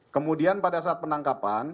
kemudian pada saat penangkapan